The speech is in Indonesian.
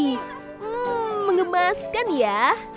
hmm mengemas kan ya